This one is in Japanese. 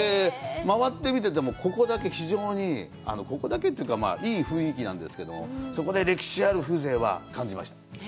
回って見てても、ここだけ非常にここだけというか、非常にいい雰囲気なんですけれども、そこで歴史ある風情を感じました。